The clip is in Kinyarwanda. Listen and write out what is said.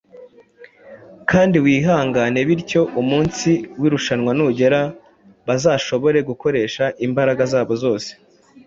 kandi wihangane bityo umunsi w’irushanwa nugera bazashobore gukoresha imbaraga zabo zose